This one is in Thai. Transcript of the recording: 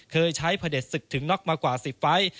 เคยใช้พระเด็จศึกถึงน็อกมากว่า๑๐ไฟล์